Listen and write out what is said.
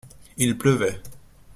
Il pleuvait.